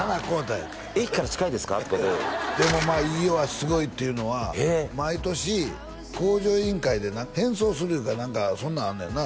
駅から近いですか？」とかってでも飯尾はすごいっていうのは毎年「向上委員会」でな変装するいうか何かそんなんあんねんな？